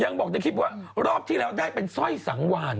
ยังบอกในคลิปว่ารอบที่เราได้เป็นสร้อยสังหวานวะ